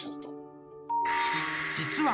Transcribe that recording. ［実は］